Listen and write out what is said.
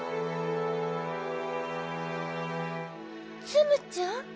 ツムちゃん？